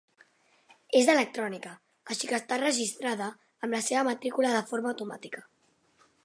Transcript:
És electrònica, així que està registrada amb la seva matrícula de forma automàtica.